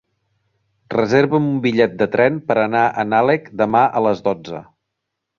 Reserva'm un bitllet de tren per anar a Nalec demà a les dotze.